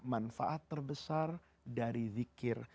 manfaat terbesar dari zikir